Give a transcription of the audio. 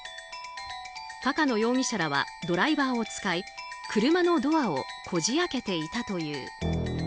高野容疑者らはドライバーを使い車のドアをこじ開けていたという。